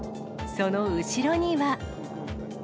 その後ろには。